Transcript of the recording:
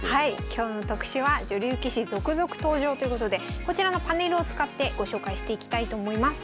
今日の特集は「女流棋士続々登場！」ということでこちらのパネルを使ってご紹介していきたいと思います。